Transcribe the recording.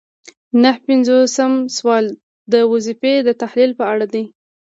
نهه پنځوسم سوال د وظیفې د تحلیل په اړه دی.